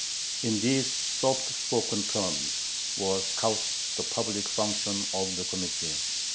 In these soft spoken terms was couched the public function of the Committee.